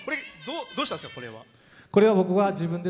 どうしたんですか？